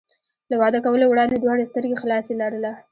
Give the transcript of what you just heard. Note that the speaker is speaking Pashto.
له واده کولو وړاندې دواړه سترګې خلاصې لره.